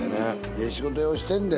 ええ仕事ようしてんで。